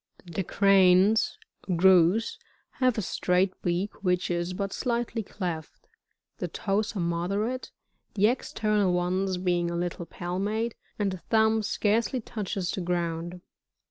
30. The Cranbs, — Griw,— have a straight beak which is but dightly cleft ; the toes are moderate, the external ones being a little palmate, and the thumb scarcely touches the ground.